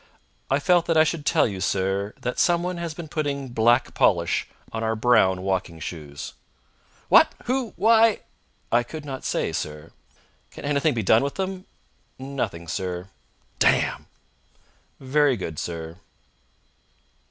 "I felt that I should tell you, sir, that somebody has been putting black polish on our brown walking shoes." "What! Who? Why?" "I could not say, sir." "Can anything be done with them?" "Nothing, sir." "Damn!" "Very good, sir."